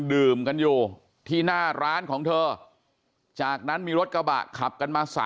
ดื่มกันอยู่ที่หน้าร้านของเธอจากนั้นมีรถกระบะขับกันมา๓